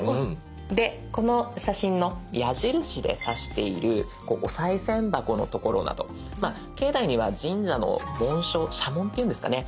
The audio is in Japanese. この写真の矢印で指しているおさい銭箱の所など境内には神社の紋章社紋っていうんですかね